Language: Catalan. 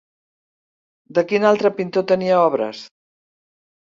De quin altre pintor tenia obres?